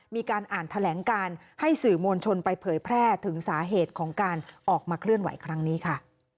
มีการอ่านแถลงการให้สื่อมวลชนไปเผยแพร่ถึงสาเหตุของการออกมาเคลื่อนไหวครั้งนี้ค่ะ